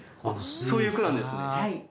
そういう句なんですね。